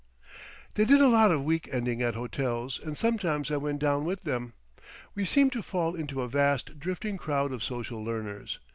They did a lot of week ending at hotels, and sometimes I went down with them. We seemed to fall into a vast drifting crowd of social learners.